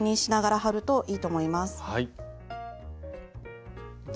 はい。